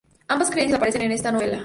Ambas creencias aparecen en esta novela.